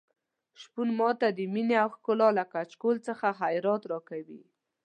شپون ماته د مينې او ښکلا له کچکول څخه خیرات راکوي.